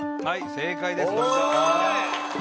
はい正解です。